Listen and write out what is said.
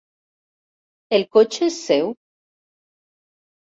El cotxe és seu?